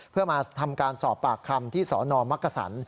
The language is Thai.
เพื่อมาทำการสอบปากคำที่สนมักกษัน